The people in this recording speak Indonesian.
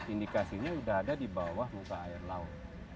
indikasinya sudah ada di bawah muka air laut